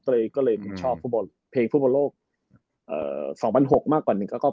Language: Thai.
เตรกก็เลยชอบเพลงฟุตบอลโลก๒๐๐๖มากกว่านี้ก็๘